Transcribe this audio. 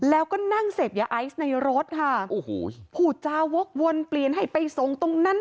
แล้วก็นั่งเสพยาไอซ์ในรถค่ะโอ้โหผู้จาวกวนเปลี่ยนให้ไปส่งตรงนั้น